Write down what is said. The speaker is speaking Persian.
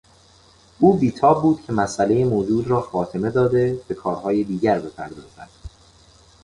او بیتاب بود کهمسئله موجود را خاتمه داده به کارهای دیگر بپردازد.